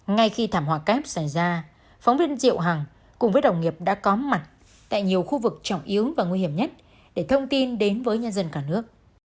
ngay khi thảm họa kép xảy ra phóng viên diệu hằng cùng với đồng nghiệp đã có mặt tại nhiều khu vực trọng yếu và nguy hiểm nhất để thông tin đến với nhân dân cả nước